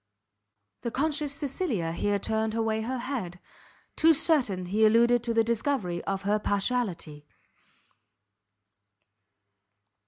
The conscious Cecilia here turned away her head; too certain he alluded to the discovery of her partiality.